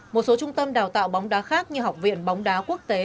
một số trung tâm đào tạo bóng đá khác như học viện bóng đá quốc tế